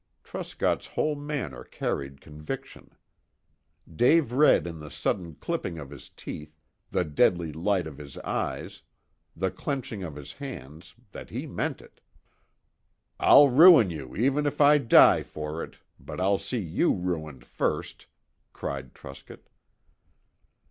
Truscott's whole manner carried conviction. Dave read in the sudden clipping of his teeth, the deadly light of his eyes, the clenching of his hands that he meant it. "I'll ruin you even if I die for it, but I'll see you ruined first," cried Truscott.